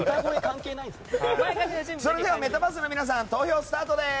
それではメタバースの皆さん投票スタートです。